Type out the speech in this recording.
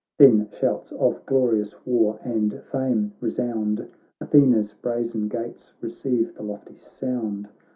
Then shouts of glorious war and fame resound, Athena's brazen gates receive the lofty sound.